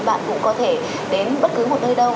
bạn cũng có thể đến bất cứ một nơi đâu